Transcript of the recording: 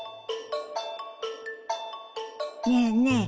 ねえねえ